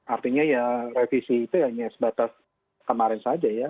artinya ya revisi itu hanya sebatas kemarin saja ya